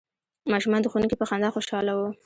ماشومان د ښوونکي په خندا خوشحاله وو.